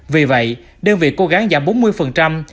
vì vậy đơn vị cố gắng giảm bốn mươi